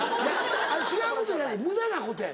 違うことじゃない無駄なことや。